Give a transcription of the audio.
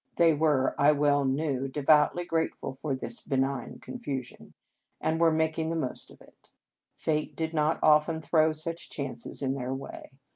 They were, I well H5 In Our Convent Days knew, devoutly grateful for this be nign confusion, and were making the most of it. Fate did not often throw such chances in their way.